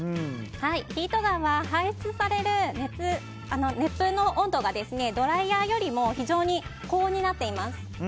ヒートガンは排出される熱風の温度がドライヤーよりも非常に高温になっています。